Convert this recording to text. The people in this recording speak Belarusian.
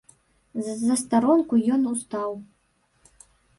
З застаронку ён устаў.